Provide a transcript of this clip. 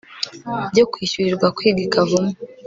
bwo kwishyurirwa kwiga i kavumu